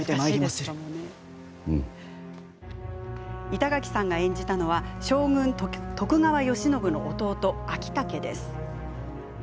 板垣さんが演じたのは将軍徳川慶喜の弟、昭武です。